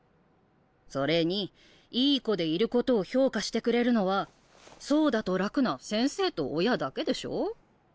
それにいい子でいることを評価してくれるのはそうだと楽な先生と親だけでしょ？